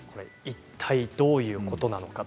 いったいどういうことなのか。